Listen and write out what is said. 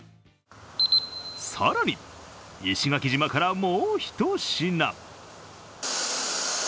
更に石垣島からもう一品。